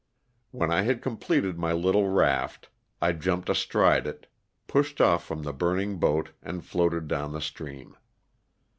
When I had completed my little raft I jumped astride it, pushed off from the burning boat and floated down the stream.